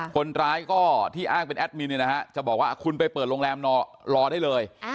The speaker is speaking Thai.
คนร้ายก็ที่อ้างเป็นแอดมินเนี่ยนะฮะจะบอกว่าคุณไปเปิดโรงแรมรอได้เลย